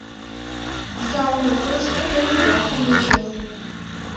Зал могырышто еҥ-влакым ужым.